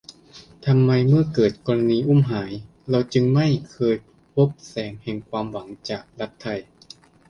ทำไมเมื่อเกิดกรณีอุ้มหายเราจึงไม่เคยพบแสงแห่งความหวังจากรัฐไทย